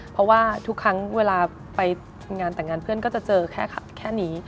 เพราะว่าทุกครั้งเวลาไปงานแต่งงานเพื่อนก็จะเจอแค่นี้